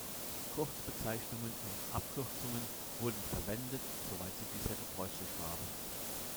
Kurzbezeichnungen und Abkürzungen wurden verwendet, soweit sie bisher gebräuchlich waren.